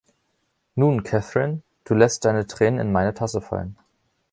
Nun, Catherine, du lässt deine Tränen in meine Tasse fallen.